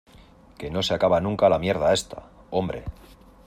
que no se acaba nunca la mierda esta, hombre.